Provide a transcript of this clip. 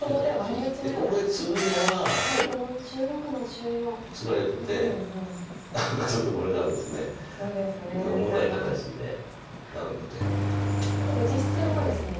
ここへツグのはツガれててちょっとこれがですね重たい形なるので。ということで実戦はですね